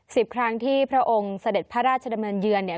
ครั้งที่พระองค์เสด็จพระราชดำเนินเยือนเนี่ย